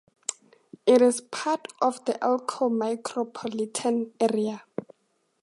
It is part of the Elko micropolitan area.